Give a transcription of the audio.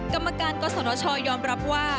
กรรมการกศนชยอมรับว่า